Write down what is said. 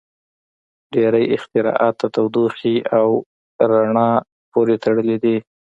• ډېری اختراعات د تودوخې او رڼا پورې تړلي دي.